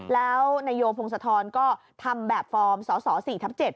แล้วในโยโพงสะท้อนก็ทำแบบฟอร์มสส๔ทับ๗